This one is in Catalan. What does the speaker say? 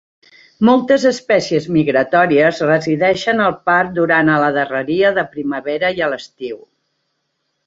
Moltes espècies migratòries resideixen al parc durant a la darreria de primavera i a l'estiu.